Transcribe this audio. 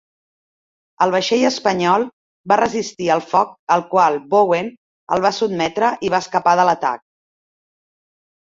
El vaixell espanyol va resistir el foc al qual Bowen el va sotmetre i va escapar de l'atac.